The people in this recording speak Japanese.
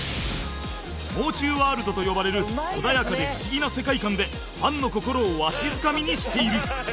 もう中ワールドと呼ばれる穏やかで不思議な世界観でファンの心をわしづかみにしている